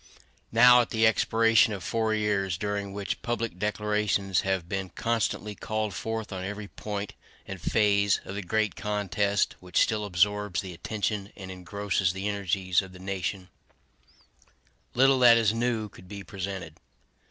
Now, at the expiration of four years, during which public declarations have been constantly called forth on every point and phase of the great contest which still absorbs the attention and engrosses the energies of the nation, little that is new could be presented.